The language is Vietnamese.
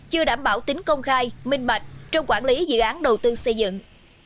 chưa đảm bảo tính công khai minh bạch trong quản lý dự án đầu tư xây dựng